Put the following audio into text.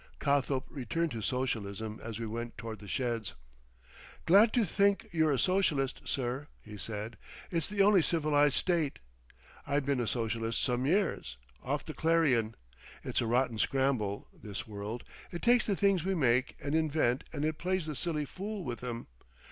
Cothope returned to Socialism as we went toward the sheds. "Glad to think you're a Socialist, sir," he said, "it's the only civilised state. I been a Socialist some years—off the Clarion. It's a rotten scramble, this world. It takes the things we make and invent and it plays the silly fool with 'em.